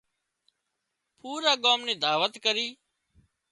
پوُرا ڳام نِي دعوت ڪرِي